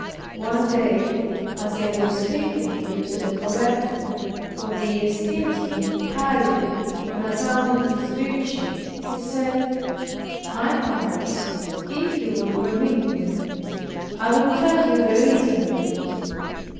One day, as they were speaking of it to the collector, for they esteemed him highly on account of his virtue, he said, "My fathers, if you will permit me, I will tell you the reason of it.